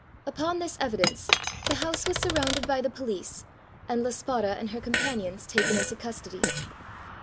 Upon this evidence, the house was surrounded by the police, and La Spara and her companions taken into custody.